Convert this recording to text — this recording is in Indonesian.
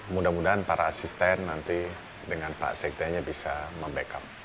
mudah mudahan para asisten nanti dengan pak sekdanya bisa membackup